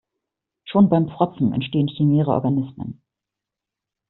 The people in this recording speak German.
Schon beim Pfropfen entstehen chimäre Organismen.